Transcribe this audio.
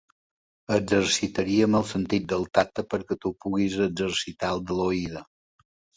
Exercitaríem el sentit del tacte perquè tu puguis exercitar el de l'oïda.